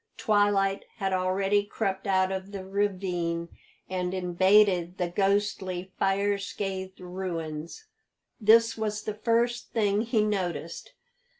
Twilight had already crept out of the ravine and invaded the ghostly, fire scathed ruins. This was the first thing he noticed.